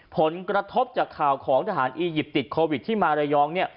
ผลกระทบจากข่าวของทหารอียิปต์ติดโควิดที่มาระยอง